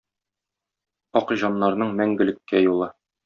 Ак җаннарның мәңгелеккә юлы.